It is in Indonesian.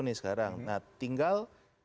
nih sekarang nah tinggal